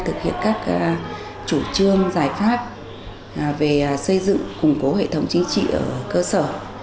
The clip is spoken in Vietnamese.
thực hiện các chủ trương giải pháp về xây dựng củng cố hệ thống chính trị ở cơ sở